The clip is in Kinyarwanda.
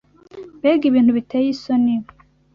Mbega ibintu biteye isoni!